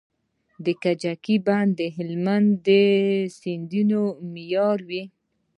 د کجکي بند د هلمند سیند مهاروي